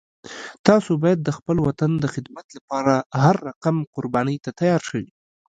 تاسو باید د خپل وطن د خدمت لپاره هر رقم قربانی ته تیار شئ